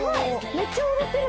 めっちゃ踊ってる。